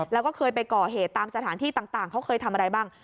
แล้วก็เคยไปก่อเหตุตามสถานที่ต่างเขาเคยทำอะไรบ้าง